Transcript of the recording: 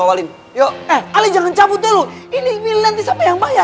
saatnya dihantar lihan gw aja aja aja